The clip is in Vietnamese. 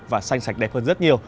và xanh sạch đẹp hơn rất nhiều